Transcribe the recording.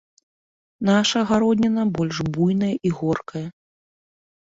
Наша гародніна больш буйная і горкая.